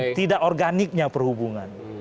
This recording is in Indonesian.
iya tidak organiknya perhubungan